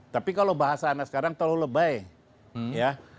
tapi kalau bahasa anda sekarang terlalu lebay ya